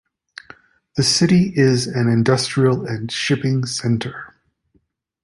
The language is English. The city is an industrial and shipping center.